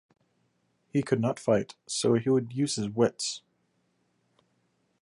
He could not fight, so he would use his wits.